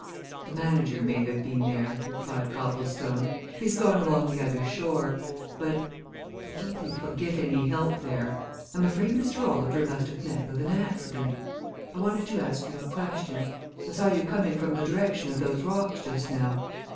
"The manager may have been there," replied Copplestone. "He's gone along the other shore. But I don't think he'll get any help there. I'm afraid Mr. Oliver must have met with an accident. I wanted to ask you a question I saw you coming from the direction of those rocks just now.